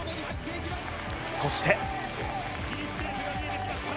そして。